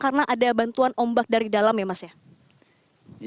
karena ada bantuan ombak dari dalam ya mas ya